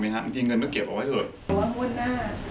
มีเงินเมื่อเก็บเอาไว้เถอะ